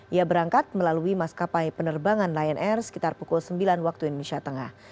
ia berangkat melalui maskapai penerbangan lion air sekitar pukul sembilan waktu indonesia tengah